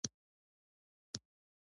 تا به ویل همدوی د دې ښار واکداران دي.